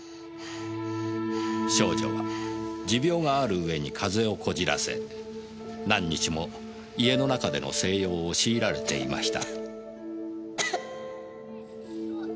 少女は持病がある上に風邪をこじらせ何日も家の中での静養を強いられていました。